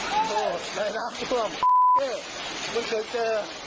โอ้โฮแม่น้ำทั่วมันเกิดเจอ